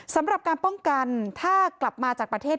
สำหรับการป้องกันถ้ากลับมาจากประเทศ